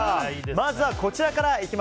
まずはこちらから。